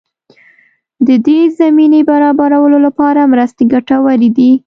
د دې زمینې برابرولو لپاره مرستې ګټورې دي.